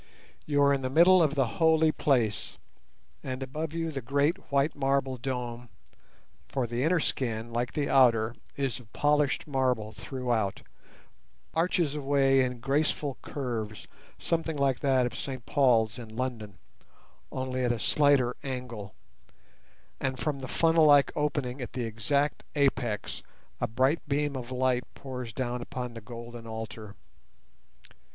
You are in the middle of the holy place, and above you the great white marble dome (for the inner skin, like the outer, is of polished marble throughout) arches away in graceful curves something like that of St Paul's in London, only at a slighter angle, and from the funnel like opening at the exact apex a bright beam of light pours down upon the golden altar.